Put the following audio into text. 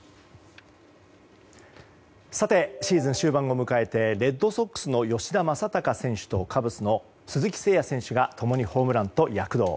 さてシーズン終盤を迎えてレッドソックスの吉田正尚選手とカブスの鈴木誠也選手が共にホームランと躍動。